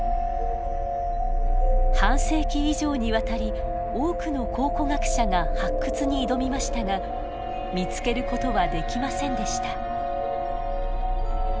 半世紀以上にわたり多くの考古学者が発掘に挑みましたが見つけることはできませんでした。